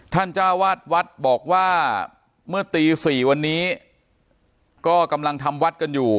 จ้าวาดวัดบอกว่าเมื่อตี๔วันนี้ก็กำลังทำวัดกันอยู่